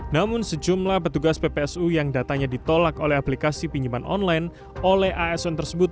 namun sejumlah petugas ppsu yang datanya ditolak oleh aplikasi pinjaman online oleh asn tersebut